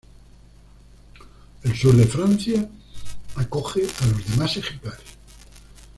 El sur de Francia acoge a los demás ejemplares.